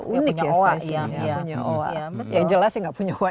unik ya spesiesnya punya oha